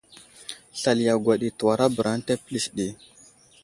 Slali yagwa təwarabəra ənta pəlis ɗi.